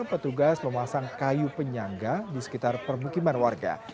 petugas memasang kayu penyangga di sekitar permukiman warga